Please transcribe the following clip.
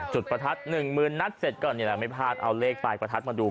ประทัดหนึ่งหมื่นนัดเสร็จก่อนนี่แหละไม่พลาดเอาเลขปลายประทัดมาดู